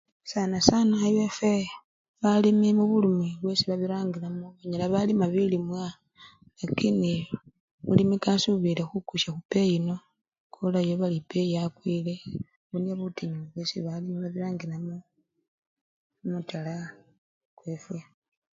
Sana sana ewefwe balimi mubulumi bwesi babirangilamo, banyala balima bilimwa lakini omulimikasubile khukusya khubeyi yino, kolayo bali epeyi yakwile, obwo nibwo butinyu bwesi balimi babirangilamo mumutala kwefwe.